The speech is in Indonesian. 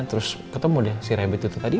terus ketemu deh si rabit itu tadi